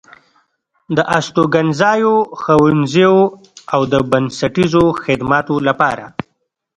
د استوګنځايو، ښوونځيو او د بنسټيزو خدماتو لپاره